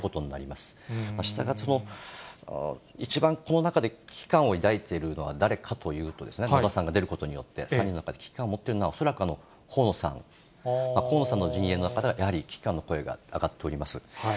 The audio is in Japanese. したがって、一番この中で危機感を抱いているのは誰かというと、野田さんが出ることによって、３人の中で危機感を持っているのは、恐らく河野さん。河野さんの陣営の中からやはり危機感の声が上がっております。